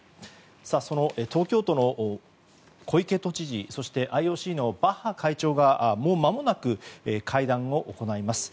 その東京都の小池都知事そしてＩＯＣのバッハ会長がもうまもなく会談を行います。